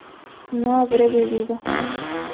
no habré bebido